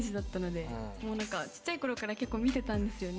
ちっちゃいころから結構見てたんですよね。